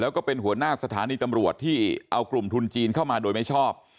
แล้วก็เป็นหัวหน้าสถานีตำรวจที่เอากลุ่มทุนจีนเข้ามาโดยไม่ชอบ